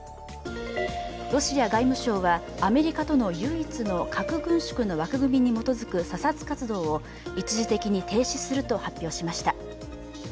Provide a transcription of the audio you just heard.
ロシア外務省は、アメリカとの唯一の核軍縮の枠組みに基づく査察活動を一時的に停止すると発表しました。